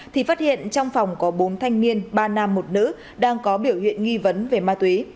thì phát hiện trong phòng có bốn thanh niên ba nam một nữ đang có biểu hiện nghi vấn về ma túy